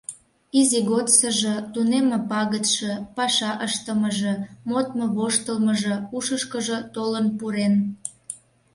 Изи годсыжо, тунемме пагытше, паша ыштымыже, модмо-воштылмыжо ушышкыжо толын пурен.